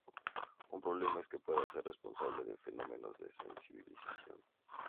Un problema es que puede ser responsable de fenómenos de sensibilización.